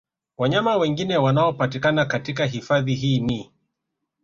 Wanyama wengine wanaopatikana katika hifadhi hii ni